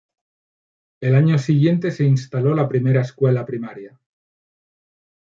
El año siguiente se instaló la primera escuela primaria.